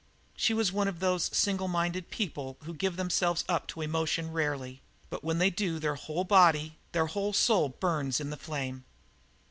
She was one of those single minded people who give themselves up to emotion rarely, but when they do their whole body, their whole soul burns in the flame.